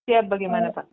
ya bagaimana pak